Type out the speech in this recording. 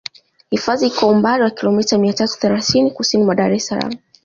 Hifadhi iko umbali wa kilometa mia tatu thelathini kusini mwa Dar es Salaam